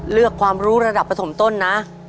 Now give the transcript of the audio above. เลือกความรู้ระดับปฐมต้นนะ